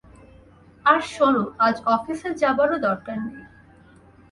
আর শোন, আজ অফিসে যাবারও দরকার নেই।